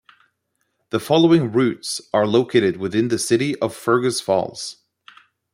The following routes are located within the city of Fergus Falls.